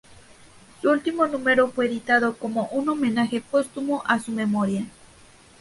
Su último número fue editado como un homenaje póstumo a su memoria.